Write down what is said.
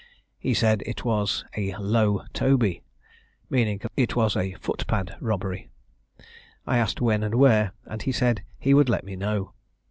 He said it was a 'Low Toby' meaning it was a footpad robbery. I asked when and where, and he said he would let me know.